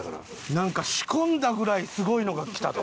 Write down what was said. なんか仕込んだぐらいすごいのがきたど。